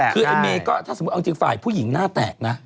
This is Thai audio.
คือไอ้เมย์ก็ถ้าสมมุติเอาจริงฝ่ายผู้หญิงหน้าแตกนะ